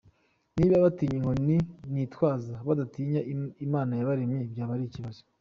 Niba batinya inkoni nitwaza, badatinya Imana yabaremye byaba ari ikibazo.